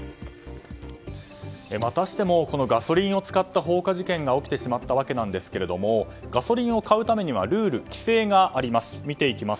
またしてもガソリンを使った放火事件が起きてしまいましたがガソリンを買うためにはルール、規制があります。